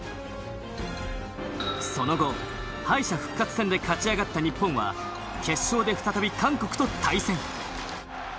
その後敗者復活戦で勝ち上がった日本は決勝で再び韓国と対戦。